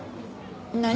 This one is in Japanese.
何？